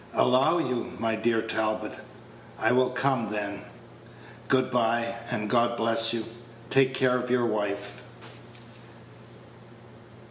"Allow you, my dear Talbot!" "I will come, then. Good by, and God bless you! Take care of your wife."